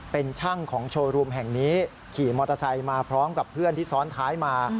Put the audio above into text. เป็นช่างของโชว์รูมแห่งนี้ขี่มอเตอร์ไซค์มาพร้อมกับเพื่อนที่ซ้อนท้ายมา